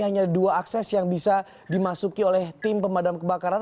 hanya ada dua akses yang bisa dimasuki oleh tim pemadam kebakaran